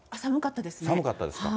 寒かったですね。